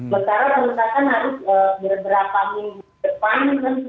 maka penutupan harus beberapa minggu depan